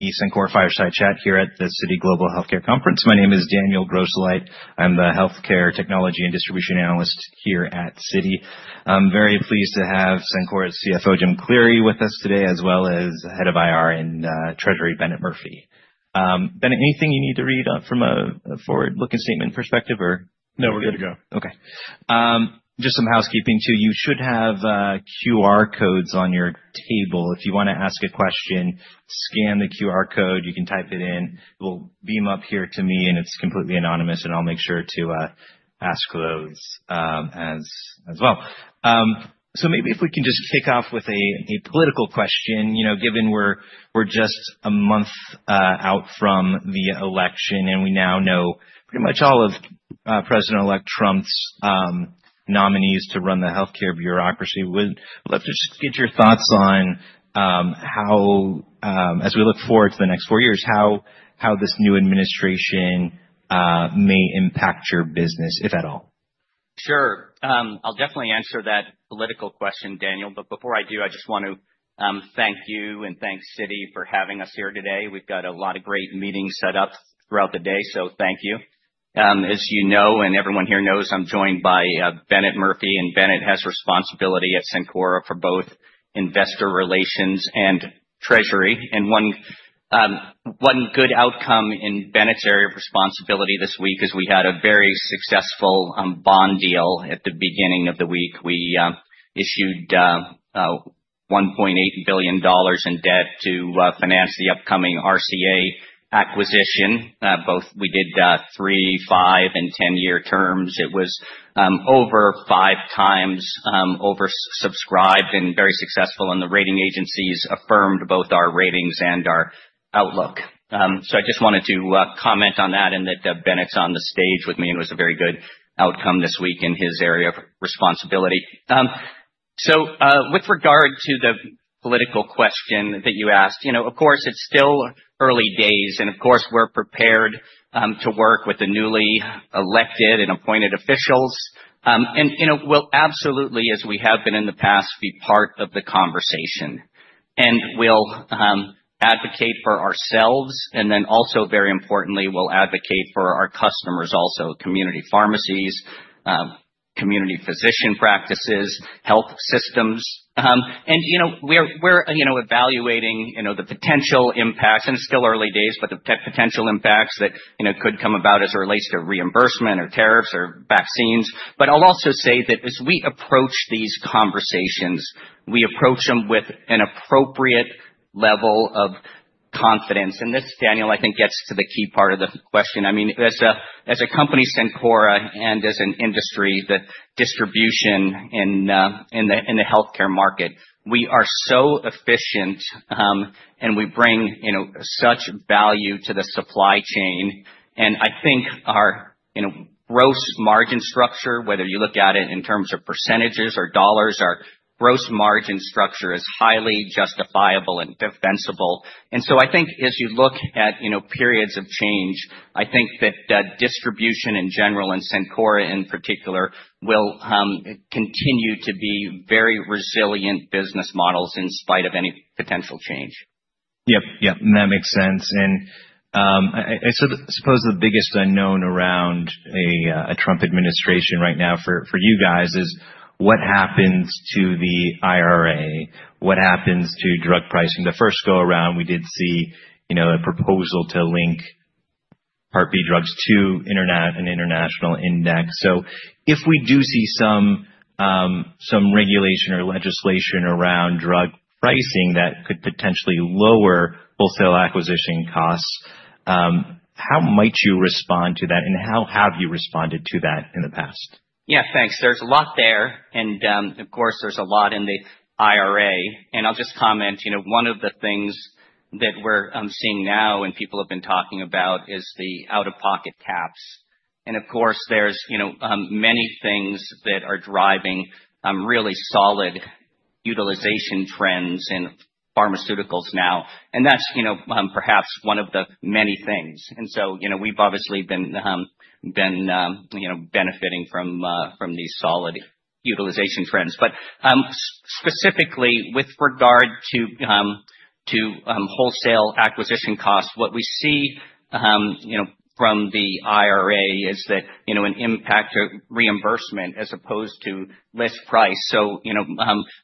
The Cencora Fireside Chat here at the Citi Global Healthcare Conference. My name is Daniel Grosslight. I'm the Healthcare Technology and Distribution Analyst here at Citi. I'm very pleased to have Cencora's CFO, Jim Cleary, with us today, as well as Head of IR and Treasury, Bennett Murphy. Bennett, anything you need to read from a forward-looking statement perspective, or? No, we're good to go. Okay. Just some housekeeping too. You should have QR codes on your table. If you want to ask a question, scan the QR code. You can type it in. It will beam up here to me, and it's completely anonymous, and I'll make sure to ask those as well. So maybe if we can just kick off with a political question, given we're just a month out from the election and we now know pretty much all of President-elect Trump's nominees to run the healthcare bureaucracy. Would love to just get your thoughts on how, as we look forward to the next four years, how this new administration may impact your business, if at all? Sure. I'll definitely answer that political question, Daniel, but before I do, I just want to thank you and thank Citi for having us here today. We've got a lot of great meetings set up throughout the day, so thank you. As you know, and everyone here knows, I'm joined by Bennett Murphy, and Bennett has responsibility at Cencora for both investor relations and treasury, and one good outcome in Bennett's area of responsibility this week is we had a very successful bond deal at the beginning of the week. We issued $1.8 billion in debt to finance the upcoming RCA acquisition. We did three, five, and 10-year terms. It was over 5x oversubscribed and very successful, and the rating agencies affirmed both our ratings and our outlook. So I just wanted to comment on that and that Bennett's on the stage with me, and it was a very good outcome this week in his area of responsibility. So with regard to the political question that you asked, of course, it's still early days, and of course, we're prepared to work with the newly elected and appointed officials. And we'll absolutely, as we have been in the past, be part of the conversation. And we'll advocate for ourselves, and then also, very importantly, we'll advocate for our customers also, community pharmacies, community physician practices, health systems. And we're evaluating the potential impacts, and it's still early days, but the potential impacts that could come about as it relates to reimbursement or tariffs or vaccines. But I'll also say that as we approach these conversations, we approach them with an appropriate level of confidence. This, Daniel, I think gets to the key part of the question. I mean, as a company Cencora and as an industry, the distribution in the healthcare market, we are so efficient, and we bring such value to the supply chain. And I think our gross margin structure, whether you look at it in terms of percentages or dollars, our gross margin structure is highly justifiable and defensible. And so I think as you look at periods of change, I think that distribution in general and Cencora in particular will continue to be very resilient business models in spite of any potential change. Yep, yep. And that makes sense. And I suppose the biggest unknown around a Trump administration right now for you guys is what happens to the IRA, what happens to drug pricing. The first go-around, we did see a proposal to link Part B drugs to an international index. So if we do see some regulation or legislation around drug pricing that could potentially lower wholesale acquisition costs, how might you respond to that, and how have you responded to that in the past? Yeah, thanks. There's a lot there, and of course, there's a lot in the IRA, and I'll just comment, one of the things that we're seeing now and people have been talking about is the out-of-pocket caps, and of course, there's many things that are driving really solid utilization trends in pharmaceuticals now, and that's perhaps one of the many things, and so we've obviously been benefiting from these solid utilization trends, but specifically, with regard to wholesale acquisition costs, what we see from the IRA is an impact of reimbursement as opposed to list price, so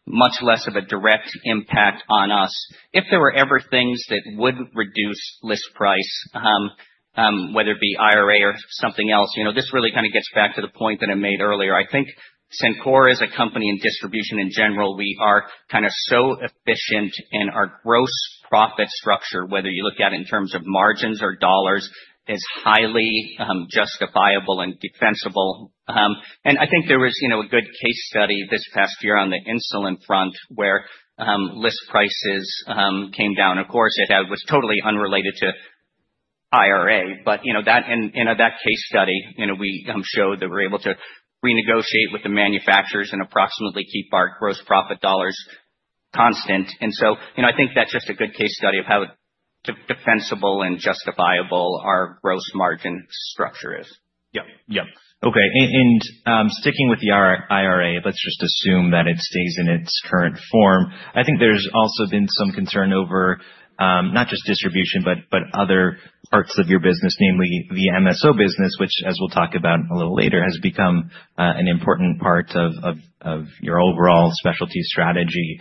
much less of a direct impact on us. If there were ever things that would reduce list price, whether it be IRA or something else, this really kind of gets back to the point that I made earlier. I think Cencora as a company and distribution in general, we are kind of so efficient in our gross profit structure, whether you look at it in terms of margins or dollars, is highly justifiable and defensible, and I think there was a good case study this past year on the insulin front where list prices came down. Of course, it was totally unrelated to IRA, but in that case study, we showed that we're able to renegotiate with the manufacturers and approximately keep our gross profit dollars constant, and so I think that's just a good case study of how defensible and justifiable our gross margin structure is. Yep, yep. Okay. And sticking with the IRA, let's just assume that it stays in its current form. I think there's also been some concern over not just distribution, but other parts of your business, namely the MSO business, which, as we'll talk about a little later, has become an important part of your overall specialty strategy.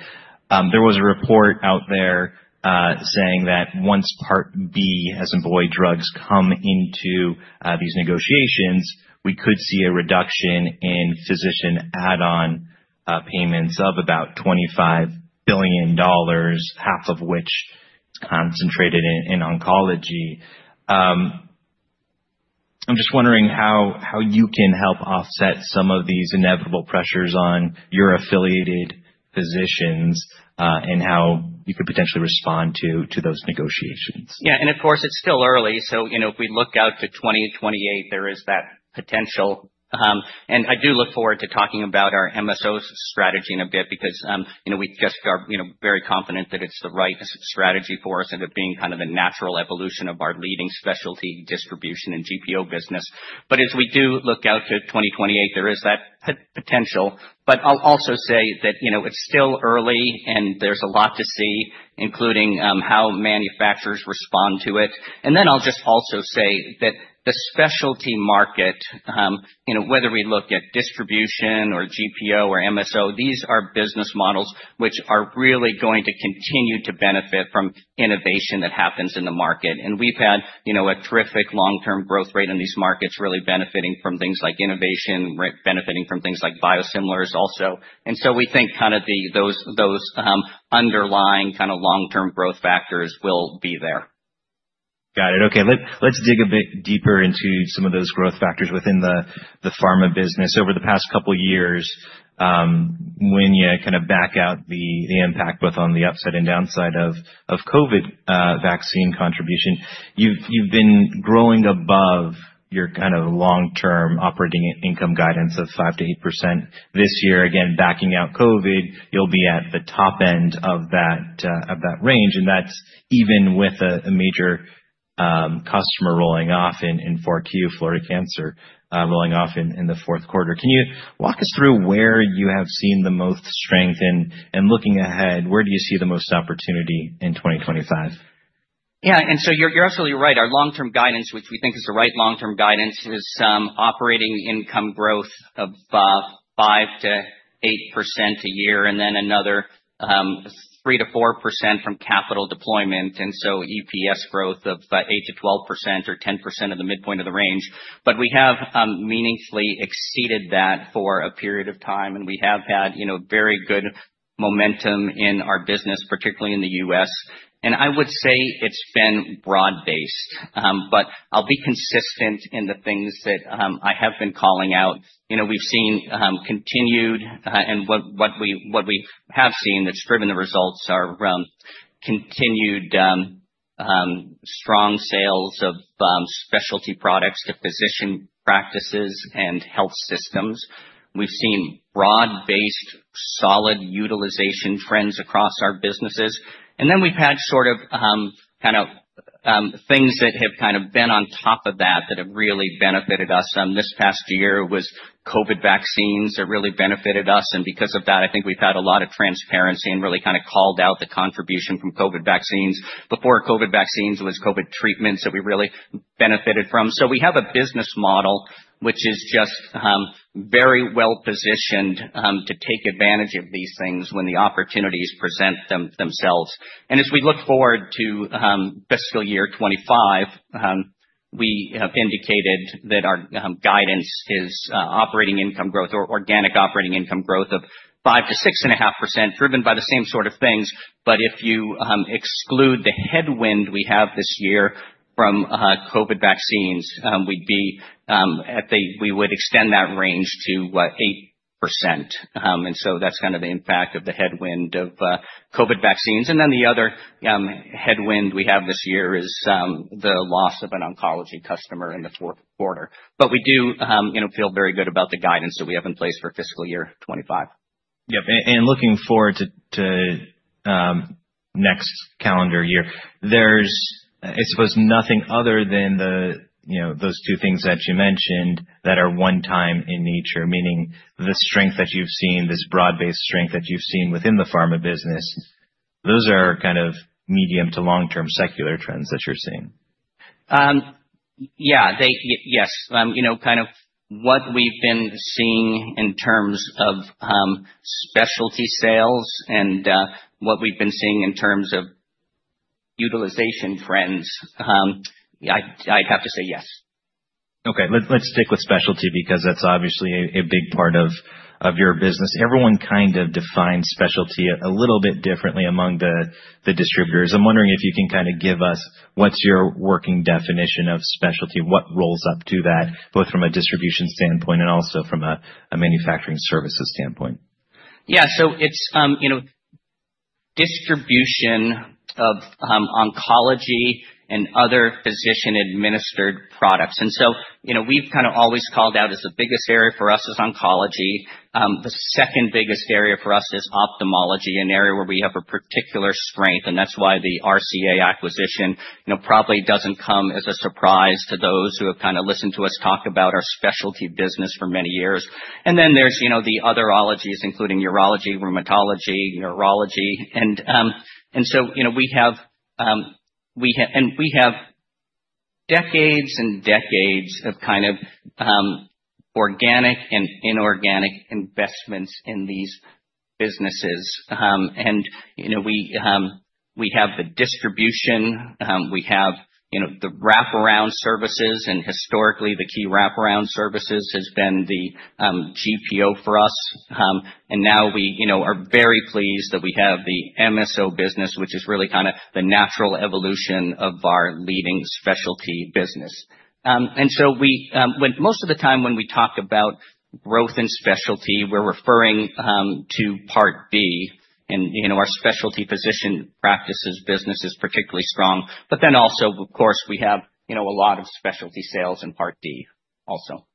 There was a report out there saying that once Part B, as in buy-and-bill drugs, comes into these negotiations, we could see a reduction in physician add-on payments of about $25 billion, $12.5 billion of which is concentrated in oncology. I'm just wondering how you can help offset some of these inevitable pressures on your affiliated physicians and how you could potentially respond to those negotiations. Yeah. And of course, it's still early, so if we look out to 2028, there is that potential. And I do look forward to talking about our MSO strategy in a bit because we just are very confident that it's the right strategy for us and it being kind of a natural evolution of our leading specialty distribution and GPO business. But as we do look out to 2028, there is that potential. But I'll also say that it's still early, and there's a lot to see, including how manufacturers respond to it. And then I'll just also say that the specialty market, whether we look at distribution or GPO or MSO, these are business models which are really going to continue to benefit from innovation that happens in the market. And we've had a terrific long-term growth rate in these markets, really benefiting from things like innovation, benefiting from things like biosimilars also, and so we think kind of those underlying kind of long-term growth factors will be there. Got it. Okay. Let's dig a bit deeper into some of those growth factors within the pharma business. Over the past couple of years, when you kind of back out the impact both on the upside and downside of COVID vaccine contribution, you've been growing above your kind of long-term operating income guidance of 5%-8% this year. Again, backing out COVID, you'll be at the top end of that range, and that's even with a major customer rolling off in 4Q, Florida Cancer, rolling off in the fourth quarter. Can you walk us through where you have seen the most strength? And looking ahead, where do you see the most opportunity in 2025? Yeah. And so you're absolutely right. Our long-term guidance, which we think is the right long-term guidance, is operating income growth of 5%-8% a year, and then another 3%-4% from capital deployment. And so EPS growth of 8%-12% or 10% of the midpoint of the range. But we have meaningfully exceeded that for a period of time, and we have had very good momentum in our business, particularly in the U.S. And I would say it's been broad-based, but I'll be consistent in the things that I have been calling out. We've seen continued, and what we have seen that's driven the results are continued strong sales of specialty products to physician practices and health systems. We've seen broad-based solid utilization trends across our businesses. And then we've had sort of kind of things that have kind of been on top of that that have really benefited us. This past year, it was COVID vaccines that really benefited us. And because of that, I think we've had a lot of transparency and really kind of called out the contribution from COVID vaccines. Before COVID vaccines was COVID treatments that we really benefited from. So we have a business model which is just very well-positioned to take advantage of these things when the opportunities present themselves. And as we look forward to fiscal year 2025, we have indicated that our guidance is operating income growth or organic operating income growth of 5%-6.5%, driven by the same sort of things. But if you exclude the headwind we have this year from COVID vaccines, we'd be at 8%; we would extend that range to 8%. And so that's kind of the impact of the headwind of COVID vaccines. And then the other headwind we have this year is the loss of an oncology customer in the fourth quarter. But we do feel very good about the guidance that we have in place for fiscal year 2025. Yep, and looking forward to next calendar year, there's, I suppose, nothing other than those two things that you mentioned that are one-time in nature, meaning the strength that you've seen, this broad-based strength that you've seen within the pharma business, those are kind of medium to long-term secular trends that you're seeing. Yeah. Yes. Kind of what we've been seeing in terms of specialty sales and what we've been seeing in terms of utilization trends, I'd have to say yes. Okay. Let's stick with specialty because that's obviously a big part of your business. Everyone kind of defines specialty a little bit differently among the distributors. I'm wondering if you can kind of give us what's your working definition of specialty, what rolls up to that, both from a distribution standpoint and also from a manufacturing services standpoint. Yeah. So it's distribution of oncology and other physician-administered products. And so we've kind of always called out as the biggest area for us is oncology. The second biggest area for us is ophthalmology, an area where we have a particular strength, and that's why the RCA acquisition probably doesn't come as a surprise to those who have kind of listened to us talk about our specialty business for many years. And then there's the otherologies, including urology, rheumatology, neurology. And so we have decades and decades of kind of organic and inorganic investments in these businesses. And we have the distribution, we have the wraparound services, and historically, the key wraparound services has been the GPO for us. And now we are very pleased that we have the MSO business, which is really kind of the natural evolution of our leading specialty business. And so most of the time when we talk about growth and specialty, we're referring to Part B, and our specialty physician practices business is particularly strong. But then also, of course, we have a lot of specialty sales in Part D also.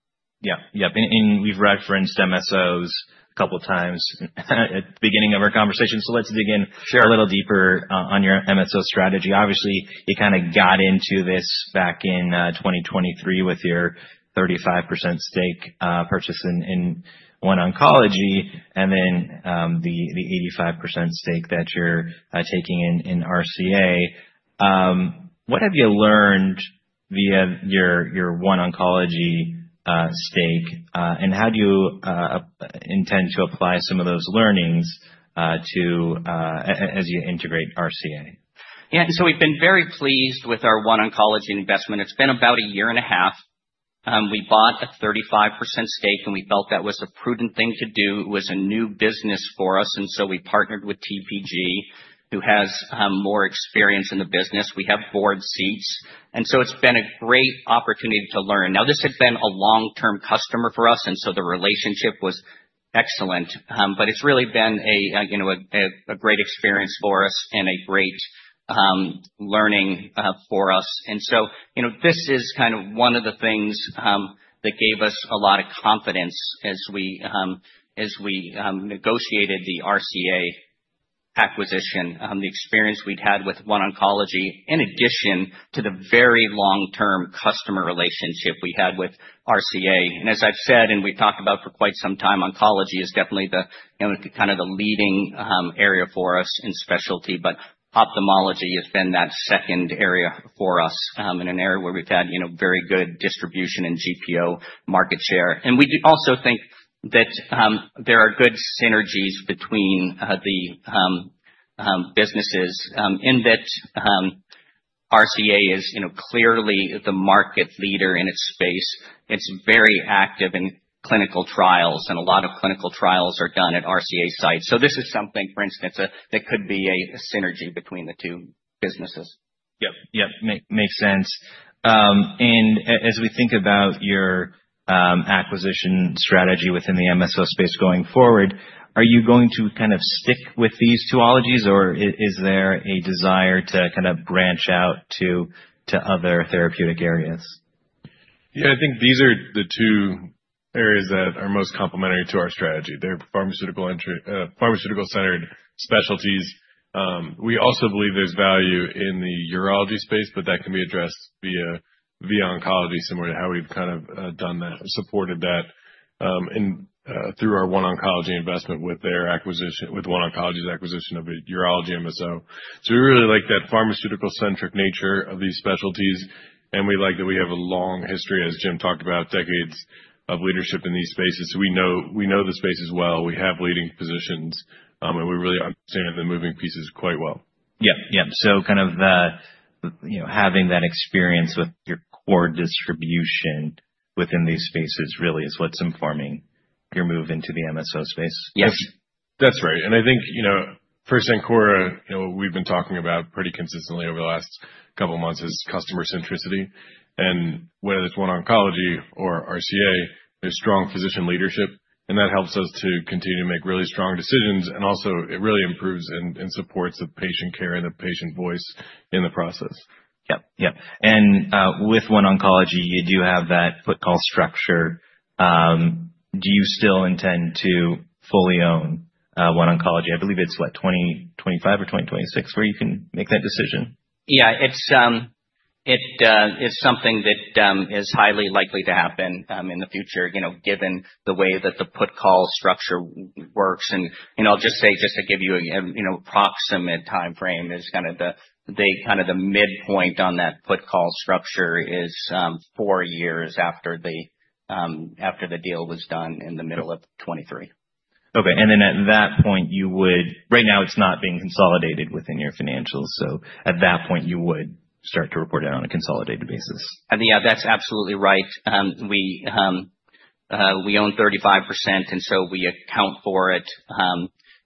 Yep, yep, and we've referenced MSOs a couple of times at the beginning of our conversation, so let's dig in a little deeper on your MSO strategy. Obviously, you kind of got into this back in 2023 with your 35% stake purchase in OneOncology and then the 85% stake that you're taking in RCA. What have you learned via your OneOncology stake, and how do you intend to apply some of those learnings as you integrate RCA? Yeah, and so we've been very pleased with our OneOncology investment. It's been about a year and a half. We bought a 35% stake, and we felt that was a prudent thing to do. It was a new business for us, and so we partnered with TPG, who has more experience in the business. We have board seats, and so it's been a great opportunity to learn. Now, this had been a long-term customer for us, and so the relationship was excellent. But it's really been a great experience for us and a great learning for us. And so this is kind of one of the things that gave us a lot of confidence as we negotiated the RCA acquisition, the experience we'd had with OneOncology, in addition to the very long-term customer relationship we had with RCA. As I've said, and we've talked about for quite some time, oncology is definitely kind of the leading area for us in specialty, but ophthalmology has been that second area for us in an area where we've had very good distribution and GPO market share. We also think that there are good synergies between the businesses in that RCA is clearly the market leader in its space. It's very active in clinical trials, and a lot of clinical trials are done at RCA sites. This is something, for instance, that could be a synergy between the two businesses. Yep, yep. Makes sense. And as we think about your acquisition strategy within the MSO space going forward, are you going to kind of stick with these two ologies, or is there a desire to kind of branch out to other therapeutic areas? Yeah. I think these are the two areas that are most complementary to our strategy. They're pharmaceutical-centered specialties. We also believe there's value in the urology space, but that can be addressed via oncology, similar to how we've kind of supported that through our OneOncology investment with OneOncology's acquisition of a urology MSO. So we really like that pharmaceutical-centric nature of these specialties, and we like that we have a long history, as Jim talked about, decades of leadership in these spaces. So we know the spaces well. We have leading positions, and we really understand the moving pieces quite well. Yep, yep. So kind of having that experience with your core distribution within these spaces really is what's informing your move into the MSO space. Yes. That's right. And I think first thing, Cencora, we've been talking about pretty consistently over the last couple of months is customer centricity. And whether it's OneOncology or RCA, there's strong physician leadership, and that helps us to continue to make really strong decisions. And also, it really improves and supports the patient care and the patient voice in the process. Yep, yep. And with OneOncology, you do have that Put/Call structure. Do you still intend to fully own OneOncology? I believe it's, what, 2025 or 2026 where you can make that decision? Yeah. It's something that is highly likely to happen in the future, given the way that the Put/Call structure works. And I'll just say, just to give you an approximate timeframe, is kind of the midpoint on that Put/Call structure is four years after the deal was done in the middle of 2023. Okay. And then at that point, you would right now. It's not being consolidated within your financials. So at that point, you would start to report it on a consolidated basis. Yeah, that's absolutely right. We own 35%, and so we account for it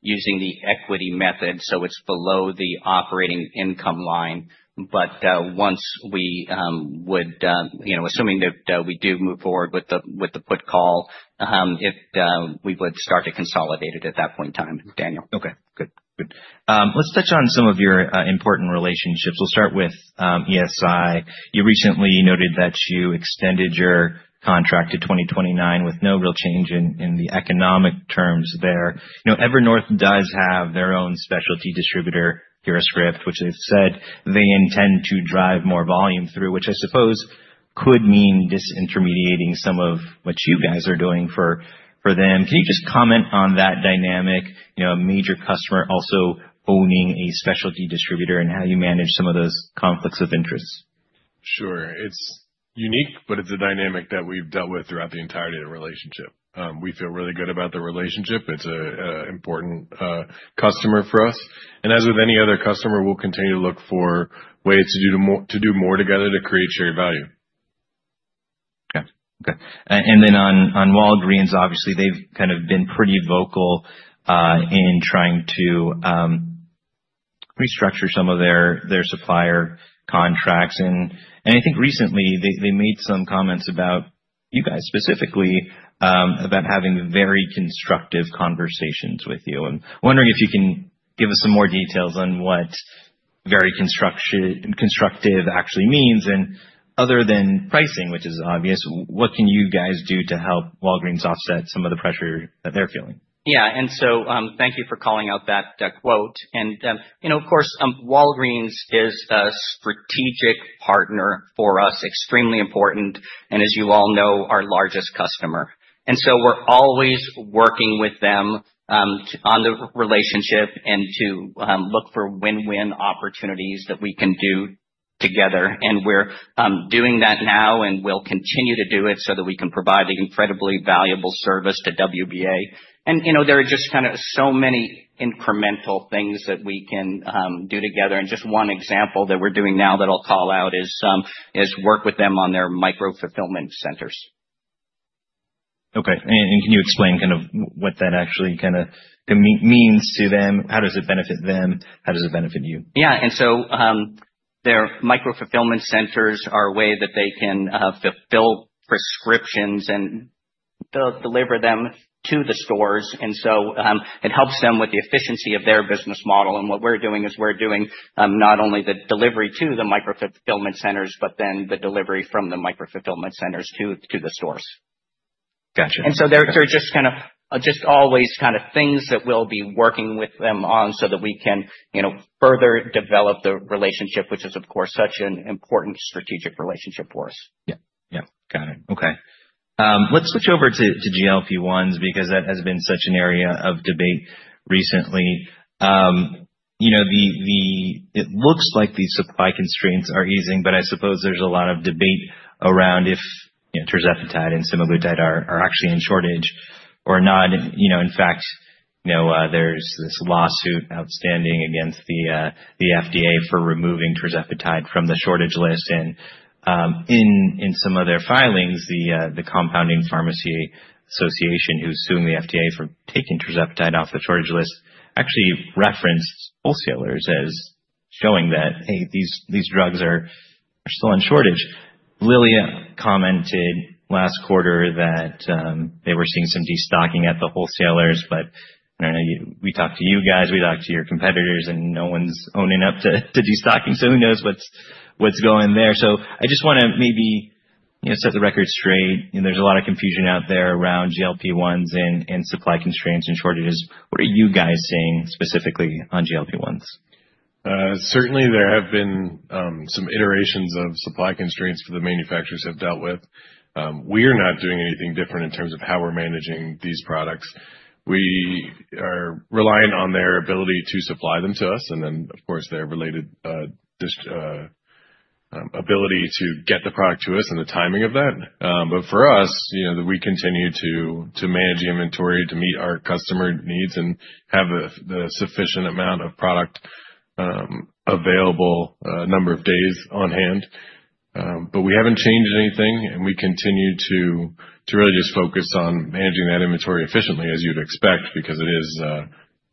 using the equity method. So it's below the operating income line. But once we would, assuming that we do move forward with the Put/Call, we would start to consolidate it at that point in time, Daniel. Okay. Good, good. Let's touch on some of your important relationships. We'll start with ESI. You recently noted that you extended your contract to 2029 with no real change in the economic terms there. Evernorth does have their own specialty distributor, CuraScript, which they've said they intend to drive more volume through, which I suppose could mean disintermediating some of what you guys are doing for them. Can you just comment on that dynamic, a major customer also owning a specialty distributor and how you manage some of those conflicts of interest? Sure. It's unique, but it's a dynamic that we've dealt with throughout the entirety of the relationship. We feel really good about the relationship. It's an important customer for us. And as with any other customer, we'll continue to look for ways to do more together to create shared value. Okay, okay. And then on Walgreens, obviously, they've kind of been pretty vocal in trying to restructure some of their supplier contracts. And I think recently, they made some comments about you guys specifically about having very constructive conversations with you. I'm wondering if you can give us some more details on what very constructive actually means. And other than pricing, which is obvious, what can you guys do to help Walgreens offset some of the pressure that they're feeling? Yeah. And so, thank you for calling out that quote. And of course, Walgreens is a strategic partner for us, extremely important, and as you all know, our largest customer. And so we're always working with them on the relationship and to look for win-win opportunities that we can do together. And we're doing that now and will continue to do it so that we can provide the incredibly valuable service to WBA. And there are just kind of so many incremental things that we can do together. And just one example that we're doing now that I'll call out is work with them on their micro-fulfillment centers. Okay. And can you explain kind of what that actually kind of means to them? How does it benefit them? How does it benefit you? Yeah. And so their micro-fulfillment centers are a way that they can fulfill prescriptions and deliver them to the stores. And so it helps them with the efficiency of their business model. And what we're doing is we're doing not only the delivery to the micro-fulfillment centers, but then the delivery from the micro-fulfillment centers to the stores. Gotcha. And so they're just kind of just always kind of things that we'll be working with them on so that we can further develop the relationship, which is, of course, such an important strategic relationship for us. Yeah, yeah. Got it. Okay. Let's switch over to GLP-1s because that has been such an area of debate recently. It looks like the supply constraints are easing, but I suppose there's a lot of debate around if tirzepatide and semaglutide are actually in shortage or not. In fact, there's this lawsuit outstanding against the FDA for removing tirzepatide from the shortage list. And in some of their filings, the Compounding Pharmacy Association, who sued the FDA for taking tirzepatide off the shortage list, actually referenced wholesalers as showing that, "Hey, these drugs are still in shortage." Lilly commented last quarter that they were seeing some destocking at the wholesalers, but we talked to you guys, we talked to your competitors, and no one's owning up to destocking. So who knows what's going there? So I just want to maybe set the record straight. There's a lot of confusion out there around GLP-1s and supply constraints and shortages. What are you guys seeing specifically on GLP-1s? Certainly, there have been some iterations of supply constraints that the manufacturers have dealt with. We are not doing anything different in terms of how we're managing these products. We are reliant on their ability to supply them to us, and then, of course, their related ability to get the product to us and the timing of that. But for us, we continue to manage inventory to meet our customer needs and have the sufficient amount of product available, a number of days on hand. But we haven't changed anything, and we continue to really just focus on managing that inventory efficiently, as you'd expect, because it is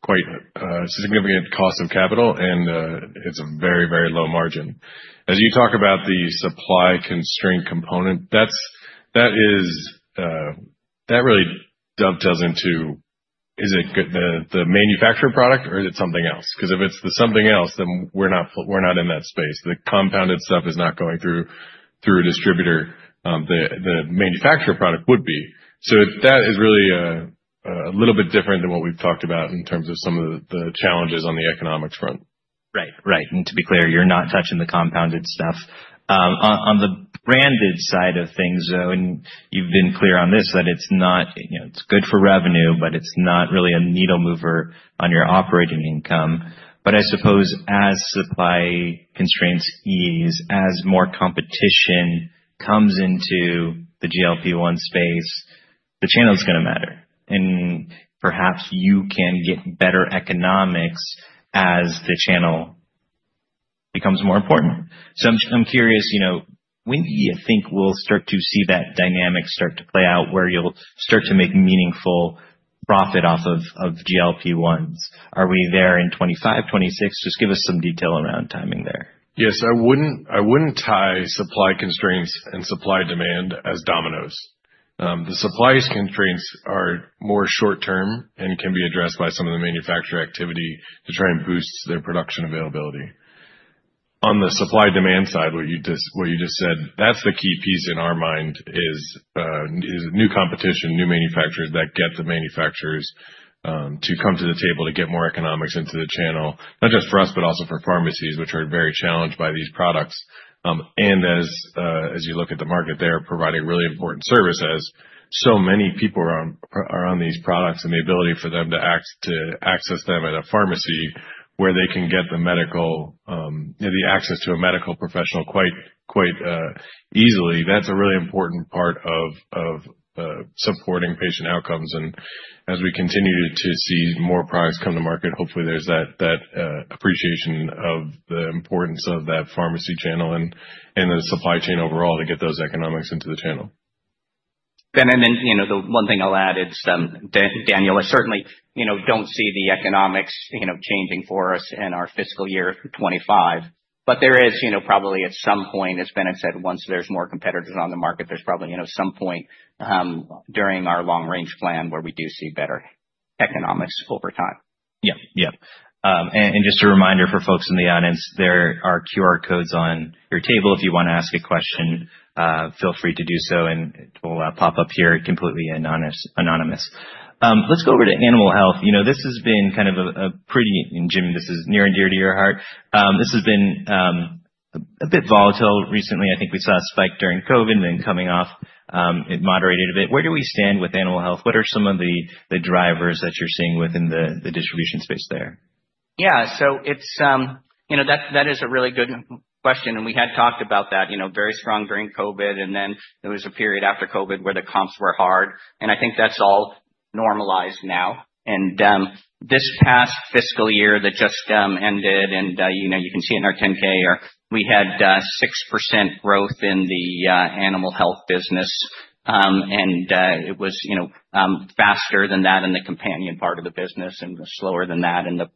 quite a significant cost of capital, and it's a very, very low margin. As you talk about the supply constraint component, that really dovetails into the manufacturer product, or is it something else? Because if it's the something else, then we're not in that space. The compounded stuff is not going through a distributor. The manufacturer product would be. So that is really a little bit different than what we've talked about in terms of some of the challenges on the economics front. Right, right. And to be clear, you're not touching the compounded stuff. On the branded side of things, you've been clear on this, that it's good for revenue, but it's not really a needle-mover on your operating income. But I suppose as supply constraints ease, as more competition comes into the GLP-1 space, the channel's going to matter. And perhaps you can get better economics as the channel becomes more important. So I'm curious, when do you think we'll start to see that dynamic start to play out where you'll start to make meaningful profit off of GLP-1s? Are we there in 2025, 2026? Just give us some detail around timing there. Yes. I wouldn't tie supply constraints and supply-demand as dominoes. The supply constraints are more short-term and can be addressed by some of the manufacturer activity to try and boost their production availability. On the supply-demand side, what you just said, that's the key piece in our mind is new competition, new manufacturers that get the manufacturers to come to the table to get more economics into the channel, not just for us, but also for pharmacies, which are very challenged by these products, and as you look at the market, they're providing a really important service as so many people are on these products and the ability for them to access them at a pharmacy where they can get the medical, the access to a medical professional quite easily. That's a really important part of supporting patient outcomes. As we continue to see more products come to market, hopefully, there's that appreciation of the importance of that pharmacy channel and the supply chain overall to get those economics into the channel. And then the one thing I'll add is, Daniel, I certainly don't see the economics changing for us in our fiscal year 2025, but there is probably at some point, as Ben had said, once there's more competitors on the market, there's probably some point during our long-range plan where we do see better economics over time. Yep, yep. And just a reminder for folks in the audience, there are QR codes on your table. If you want to ask a question, feel free to do so, and it will pop up here completely anonymous. Let's go over to animal health. This has been kind of a pretty—and Jim, this is near and dear to your heart. This has been a bit volatile recently. I think we saw a spike during COVID, then coming off, it moderated a bit. Where do we stand with animal health? What are some of the drivers that you're seeing within the distribution space there? Yeah, so that is a really good question, and we had talked about that very strong during COVID, and then there was a period after COVID where the comps were hard, and I think that's all normalized now, and this past fiscal year that just ended, and you can see it in our 10-K, we had 6% growth in the animal health business, and it was faster than that in the companion part of the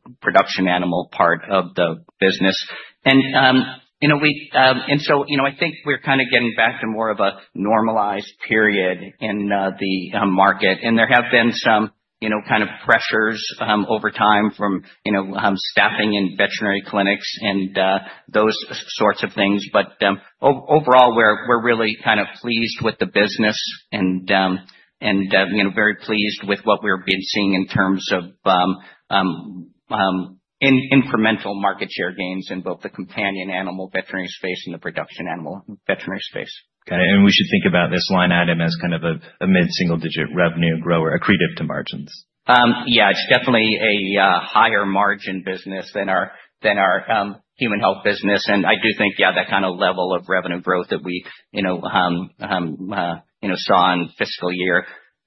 business and slower than that in the production animal part of the business, and so I think we're kind of getting back to more of a normalized period in the market, and there have been some kind of pressures over time from staffing in veterinary clinics and those sorts of things. But overall, we're really kind of pleased with the business and very pleased with what we're being seeing in terms of incremental market share gains in both the companion animal veterinary space and the production animal veterinary space. Got it. And we should think about this line item as kind of a mid-single-digit revenue grower, accretive to margins. Yeah. It's definitely a higher margin business than our human health business, and I do think, yeah, that kind of level of revenue growth that we saw in fiscal year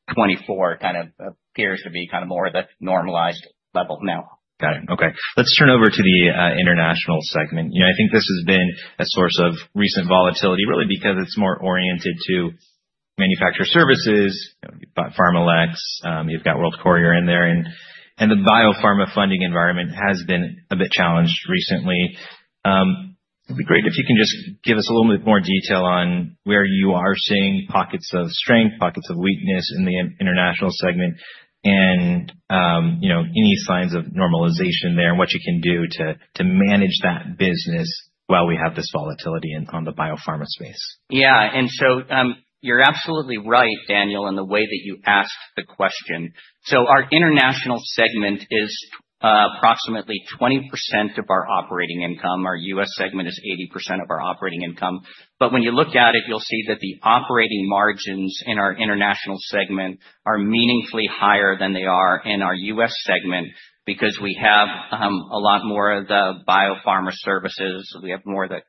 2024 kind of appears to be kind of more of the normalized level now. Got it. Okay. Let's turn over to the international segment. I think this has been a source of recent volatility really because it's more oriented to manufacturer services. You've got PharmaLex, you've got World Courier in there. And the biopharma funding environment has been a bit challenged recently. It'd be great if you can just give us a little bit more detail on where you are seeing pockets of strength, pockets of weakness in the international segment, and any signs of normalization there and what you can do to manage that business while we have this volatility on the biopharma space. Yeah. And so you're absolutely right, Daniel, in the way that you asked the question. So our international segment is approximately 20% of our operating income. Our U.S. segment is 80% of our operating income. But when you look at it, you'll see that the operating margins in our international segment are meaningfully higher than they are in our U.S. segment because we have a lot more of the biopharma services. We have more of the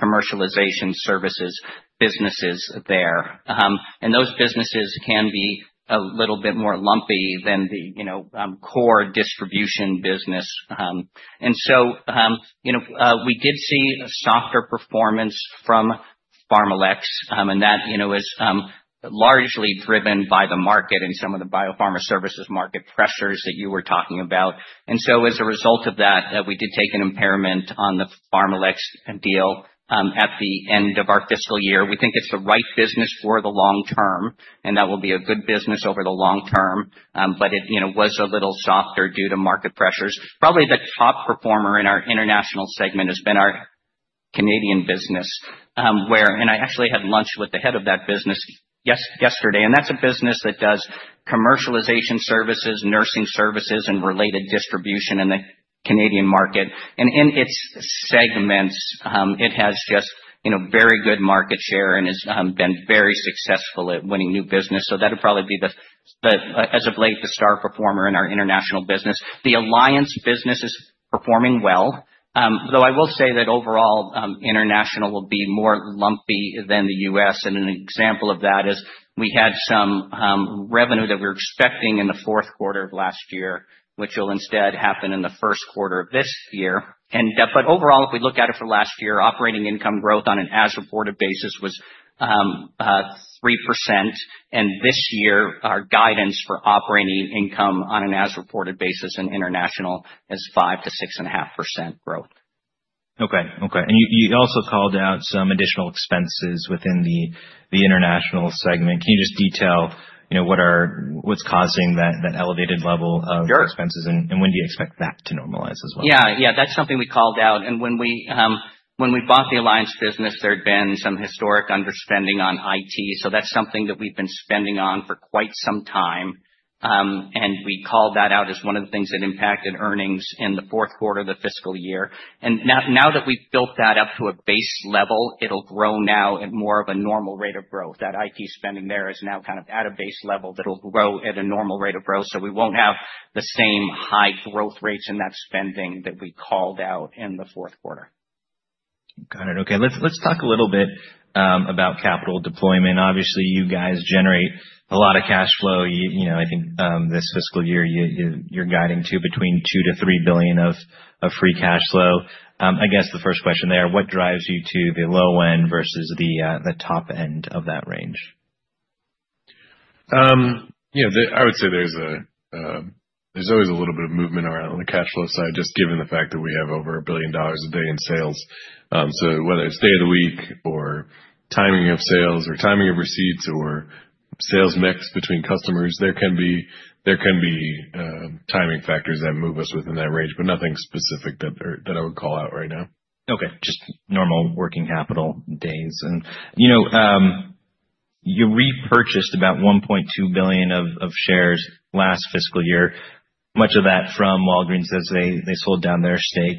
commercialization services businesses there. And those businesses can be a little bit more lumpy than the core distribution business. And so we did see a softer performance from PharmaLex, and that is largely driven by the market and some of the biopharma services market pressures that you were talking about. And so as a result of that, we did take an impairment on the PharmaLex deal at the end of our fiscal year. We think it's the right business for the long term, and that will be a good business over the long term, but it was a little softer due to market pressures. Probably the top performer in our international segment has been our Canadian business, and I actually had lunch with the head of that business yesterday, and that's a business that does commercialization services, nursing services, and related distribution in the Canadian market, and in its segments, it has just very good market share and has been very successful at winning new business, so that would probably be, as of late, the star performer in our international business. The Alliance business is performing well, though I will say that overall, international will be more lumpy than the U.S. And an example of that is we had some revenue that we were expecting in the fourth quarter of last year, which will instead happen in the first quarter of this year. But overall, if we look at it for last year, operating income growth on an as-reported basis was 3%. And this year, our guidance for operating income on an as-reported basis in international is 5%-6.5% growth. Okay. Okay. And you also called out some additional expenses within the international segment. Can you just detail what's causing that elevated level of expenses, and when do you expect that to normalize as well? Yeah, yeah. That's something we called out. And when we bought the Alliance business, there had been some historic underspending on IT. So that's something that we've been spending on for quite some time. And we called that out as one of the things that impacted earnings in the fourth quarter of the fiscal year. And now that we've built that up to a base level, it'll grow now at more of a normal rate of growth. That IT spending there is now kind of at a base level that'll grow at a normal rate of growth. So we won't have the same high growth rates in that spending that we called out in the fourth quarter. Got it. Okay. Let's talk a little bit about capital deployment. Obviously, you guys generate a lot of cash flow. I think this fiscal year you're guiding to between $2 billion-$3 billion of free cash flow. I guess the first question there, what drives you to the low end versus the top end of that range? I would say there's always a little bit of movement around on the cash flow side, just given the fact that we have over $1 billion a day in sales, so whether it's day of the week or timing of sales or timing of receipts or sales mix between customers, there can be timing factors that move us within that range, but nothing specific that I would call out right now. Okay. Just normal working capital days. You repurchased about $1.2 billion of shares last fiscal year, much of that from Walgreens as they sold down their stake.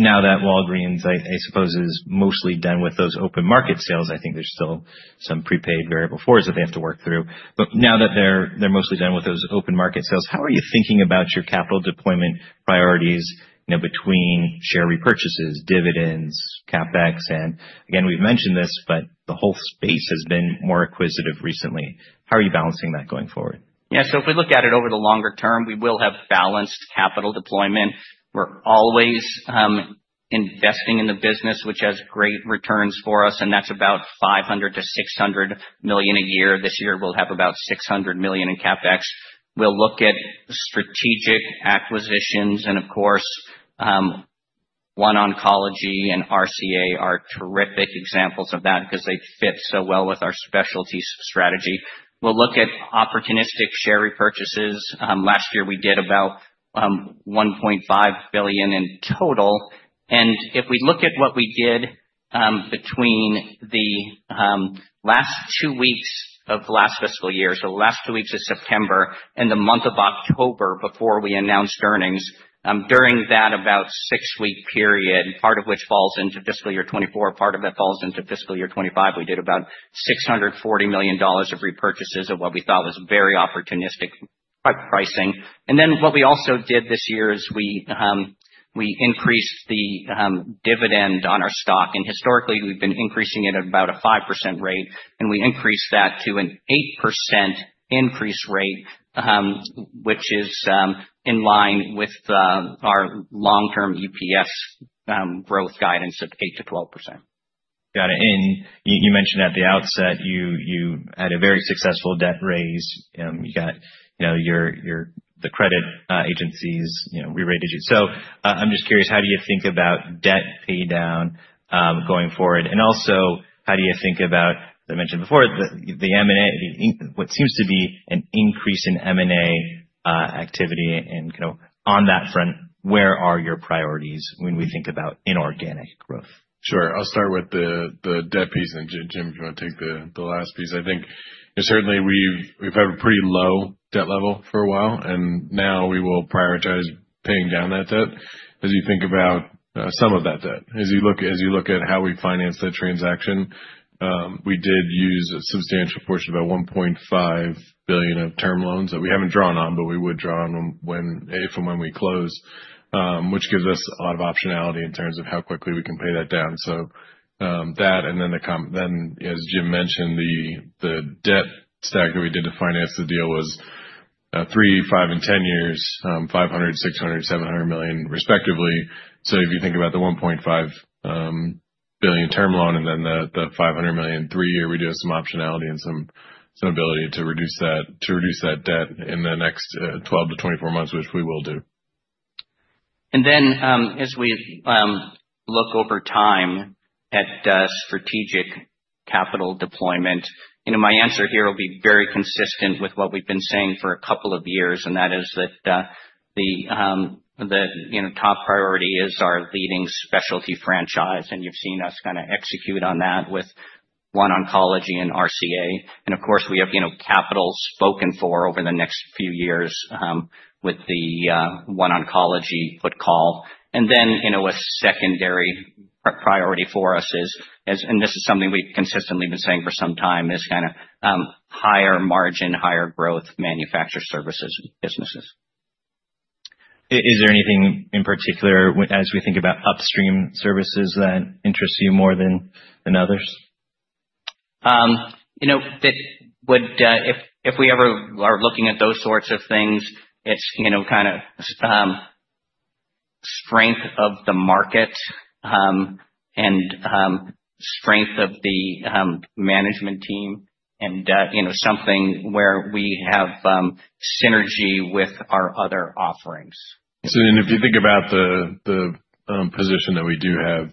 Now that Walgreens, I suppose, is mostly done with those open market sales. I think there's still some prepaid variable forwards that they have to work through. But now that they're mostly done with those open market sales, how are you thinking about your capital deployment priorities between share repurchases, dividends, CapEx? Again, we've mentioned this, but the whole space has been more acquisitive recently. How are you balancing that going forward? Yeah, so if we look at it over the longer term, we will have balanced capital deployment. We're always investing in the business, which has great returns for us, and that's about $500 million-$600 million a year. This year, we'll have about $600 million in CapEx. We'll look at strategic acquisitions. And of course, OneOncology and RCA are terrific examples of that because they fit so well with our specialty strategy. We'll look at opportunistic share repurchases. Last year, we did about $1.5 billion in total. And if we look at what we did between the last two weeks of last fiscal year, so last two weeks of September and the month of October before we announced earnings, during that about six-week period, part of which falls into fiscal year 2024, part of it falls into fiscal year 2025, we did about $640 million of repurchases of what we thought was very opportunistic pricing. And then what we also did this year is we increased the dividend on our stock. And historically, we've been increasing it at about a 5% rate, and we increased that to an 8% increase rate, which is in line with our long-term EPS growth guidance of 8%-12%. Got it. And you mentioned at the outset, you had a very successful debt raise. You got the credit agencies re-rated you. So I'm just curious, how do you think about debt pay down going forward? And also, how do you think about, as I mentioned before, what seems to be an increase in M&A activity? And on that front, where are your priorities when we think about inorganic growth? Sure. I'll start with the debt piece, and Jim, if you want to take the last piece. I think certainly we've had a pretty low debt level for a while, and now we will prioritize paying down that debt as you think about some of that debt. As you look at how we financed that transaction, we did use a substantial portion of about $1.5 billion of term loans that we haven't drawn on, but we would draw on if and when we close, which gives us a lot of optionality in terms of how quickly we can pay that down, so that, and then as Jim mentioned, the debt stack that we did to finance the deal was three, five, and 10 years, $500 million, $600 million, $700 million, respectively. So if you think about the $1.5 billion term loan and then the $500 million three-year, we do have some optionality and some ability to reduce that debt in the next 12-24 months, which we will do. And then as we look over time at strategic capital deployment, my answer here will be very consistent with what we've been saying for a couple of years, and that is that the top priority is our leading specialty franchise. And you've seen us kind of execute on that with OneOncology and RCA. And of course, we have capital spoken for over the next few years with the OneOncology Put/Call. And then a secondary priority for us is, and this is something we've consistently been saying for some time, kind of higher margin, higher growth manufacturer services businesses. Is there anything in particular as we think about upstream services that interests you more than others? If we ever are looking at those sorts of things, it's kind of strength of the market and strength of the management team and something where we have synergy with our other offerings. If you think about the position that we do have,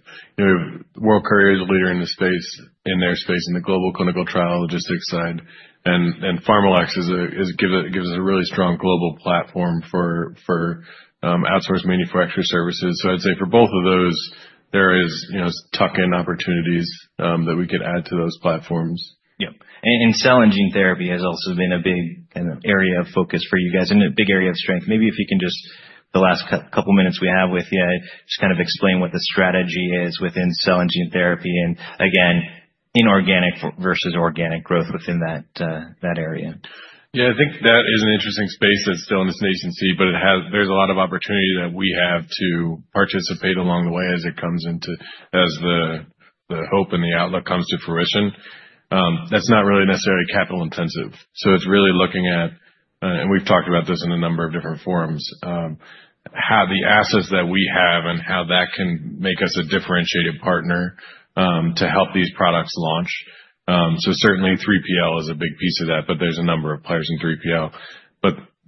World Courier is a leader in their space in the global clinical trial logistics side. PharmaLex gives us a really strong global platform for outsourced manufacturer services. So I'd say for both of those, there are tuck-in opportunities that we can add to those platforms. Yep. And cell and gene therapy has also been a big area of focus for you guys and a big area of strength. Maybe if you can just, the last couple of minutes we have with you, just kind of explain what the strategy is within cell and gene therapy and, again, inorganic versus organic growth within that area. Yeah. I think that is an interesting space that's still in this nascent seed, but there's a lot of opportunity that we have to participate along the way as it comes into the hope and the outlook comes to fruition. That's not really necessarily capital intensive. So it's really looking at, and we've talked about this in a number of different forums, how the assets that we have and how that can make us a differentiated partner to help these products launch. So certainly, 3PL is a big piece of that, but there's a number of players in 3PL.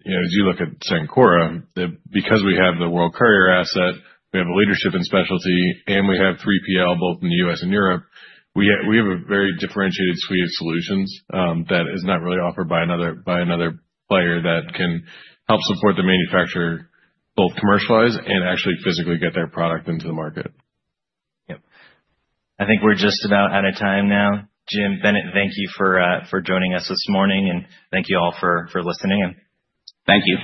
As you look at Cencora, because we have the World Courier asset, we have a leadership in specialty, and we have 3PL both in the U.S. and Europe, we have a very differentiated suite of solutions that is not really offered by another player that can help support the manufacturer both commercialize and actually physically get their product into the market. Yep. I think we're just about out of time now. Jim, Bennett, thank you for joining us this morning, and thank you all for listening. Thank you.